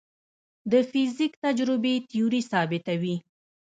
د فزیک تجربې تیوري ثابتوي.